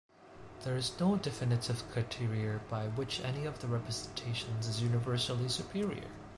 There is no definitive criterion by which any of the representations is universally superior.